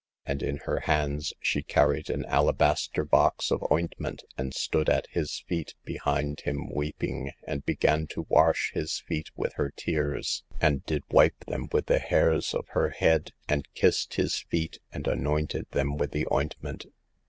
And in her hands she carried " an alabaster box of ointment, and stood at His feet behind Him, weeping, and began to wash His feet with her tears, and did wipe them with the hairs of her head, and kissed His feet, and anointed them with the ointment."